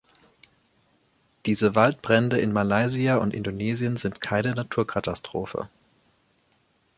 Diese Waldbrände in Malaysia und Indonesien sind keine Naturkatastrophe.